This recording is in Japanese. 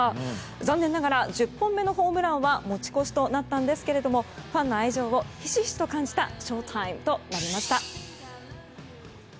残念ながら１０本目のホームランは持ち越しとなったんですけれどもファンの愛情をひしひしと感じたＳＨＯＴＩＭＥとなりました。